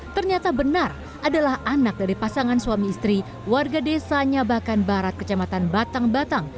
ternyata benar adalah anak dari pasangan suami istri warga desanya bahkan barat kecamatan batang batang